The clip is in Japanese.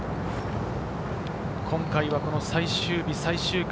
今回は最終日、最終組。